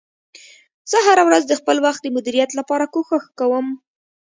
زه هره ورځ د خپل وخت د مدیریت لپاره کوښښ کوم